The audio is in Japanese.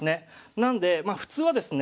なのでまあ普通はですね